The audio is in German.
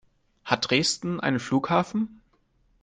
Hat Dresden einen Flughafen?